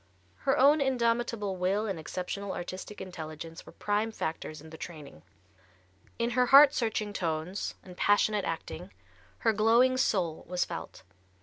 Her own indomitable will and exceptional artistic intelligence were prime factors in the training. In her heart searching tones and passionate acting her glowing soul was felt.